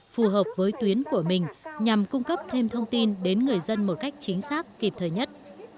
phù hợp với tuyến của mình nhằm cung cấp thêm thông tin đến người dân một cách chính xác kịp thời nhất